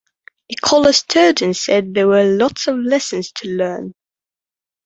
Nicola Sturgeon said there were "lots of lessons to learn".